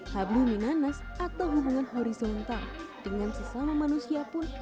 hablu minanas atau hubungan horizontal dengan sesama manusia pun